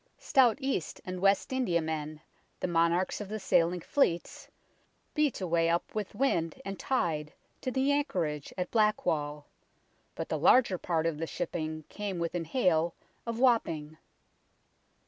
Stout East and West Indiamen, the monarchs of the sailing fleets, beat a way up with wind and tide to the anchorage at Black wall, but the larger part of the shipping came within hail of Wapping.